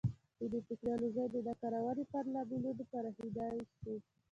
د دې ټکنالوژۍ د نه کارونې پر لاملونو پوهېدای شو.